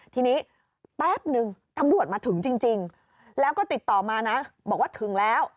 ทีนี้แป๊บนึงตำรวจมาถึงจริงแล้วก็ติดต่อมานะบอกว่าถึงแล้ว